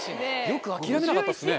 よく諦めなかったっすね。